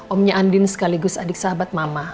omnya andin sekaligus adik sahabat mama